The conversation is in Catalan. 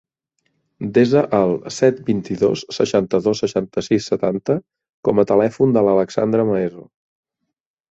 Desa el set, vint-i-dos, seixanta-dos, seixanta-sis, setanta com a telèfon de l'Alexandra Maeso.